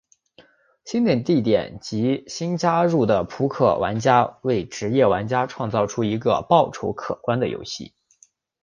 新的地点及新加入的扑克玩家为职业玩家创造出了一个报酬可观的游戏。